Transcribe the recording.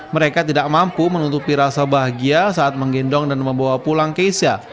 mereka tidak mampu menutupi rasa bahagia saat menggendong dan membawa pulang keisha